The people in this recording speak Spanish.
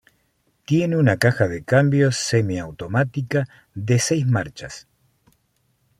Tiene una caja de cambios semiautomática de seis marchas.